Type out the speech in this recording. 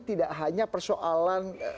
tidak hanya persoalan